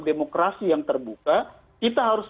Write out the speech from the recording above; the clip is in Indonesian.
demokrasi yang terbuka kita harus